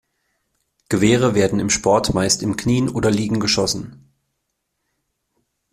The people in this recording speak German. Gewehre werden im Sport meist im Knien oder Liegen geschossen.